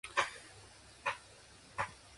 Metastases are most often present in the lymph nodes.